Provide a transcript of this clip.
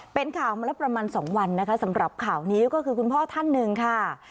เป็นข่าวมาแล้วประมาณ๒วันนะคะสำหรับข่าวนี้ก็คือคุณพ่อท่านหนึ่งค่ะ